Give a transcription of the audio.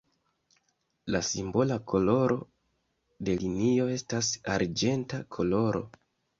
La simbola koloro de linio estas arĝenta koloro.